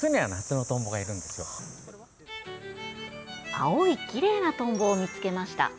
青いきれいなトンボを見つけました。